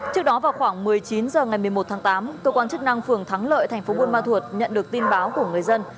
trước đó vào khoảng một mươi chín h ngày một mươi một tháng tám cơ quan chức năng phường thắng lợi thành phố buôn ma thuột nhận được tin báo của người dân